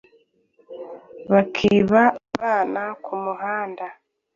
bakiba abana ku muhanda